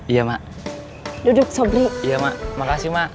iya mak duduk sobri iya mak makasih mak